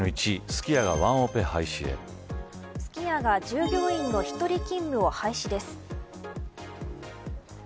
すき家が１５日にも１人勤務を廃止です。